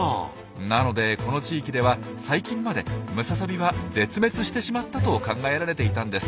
なのでこの地域では最近までムササビは絶滅してしまったと考えられていたんです。